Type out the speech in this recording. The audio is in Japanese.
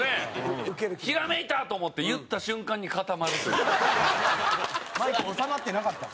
ひらめいたと思って言った瞬間に固まるというね。